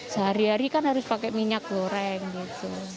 sehari hari kan harus pakai minyak goreng gitu